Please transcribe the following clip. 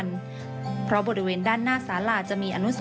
ช่วยให้สามารถสัมผัสถึงความเศร้าต่อการระลึกถึงผู้ที่จากไป